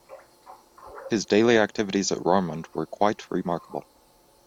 His daily activities at Roermond were quite remarkable.